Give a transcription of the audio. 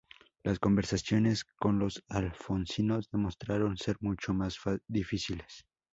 Las conversaciones con los alfonsinos demostraron ser mucho más difíciles.